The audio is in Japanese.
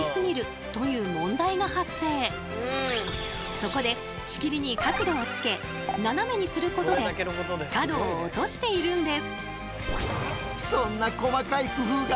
そこで仕切りに角度をつけ斜めにすることで角を落としているんです。